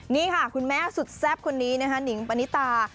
นี่ค่ะคุณแม่สุดแซ่บคนนี้นะคะนิงปณิตา